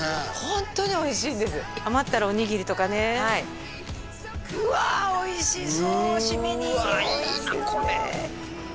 ホントにおいしいんです余ったらおにぎりとかねはいうわおいしそうシメにいいねうわ